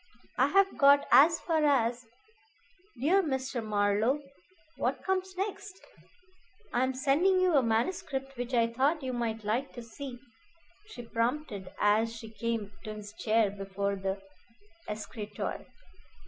I have got as far as 'Dear Mr. Marlowe.' What comes next?" "I am sending you a manuscript which I thought you might like to see," she prompted as she came to his chair before the escritoire.